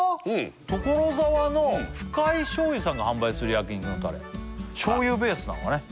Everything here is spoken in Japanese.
所沢の深井醤油さんが販売する焼肉のたれ醤油ベースなのかね